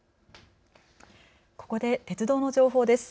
ここで鉄道の情報です。